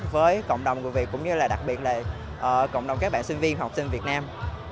với cộng đồng người việt cũng như là đặc biệt là cộng đồng các bạn sinh viên và học sinh việt nam